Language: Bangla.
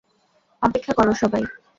অপেক্ষা করো, সবাই!